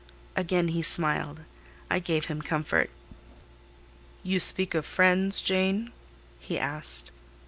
Again he smiled: I gave him comfort. "You speak of friends, Jane?" he asked.